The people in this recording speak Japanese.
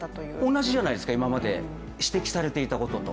同じじゃないですか、今まで指摘されていたことと。